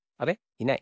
いない。